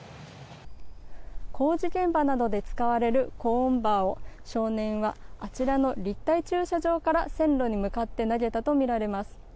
工事現場などで使われるコーンバーを少年はあちらの立体駐車場から線路に向かって投げたとみられます。